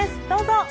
どうぞ。